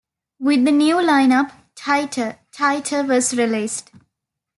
With the new line-up, "Tighter, Tighter" was released.